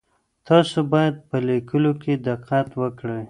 تاسو باید په لیکلو کي دقت ولرئ.